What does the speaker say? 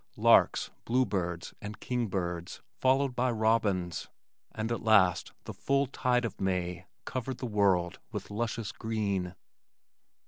Larks, blue birds and king birds followed the robins, and at last the full tide of May covered the world with luscious green.